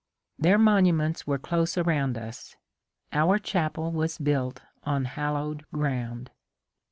Their monuments were close around us; our chapel was built on hallowed ground.